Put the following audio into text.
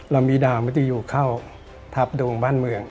เรามีดาวมริตยูเข้าทัพดวงบ้านเมือง